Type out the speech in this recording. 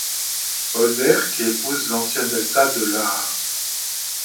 Polder qui épouse l'ancien delta de l'Aa.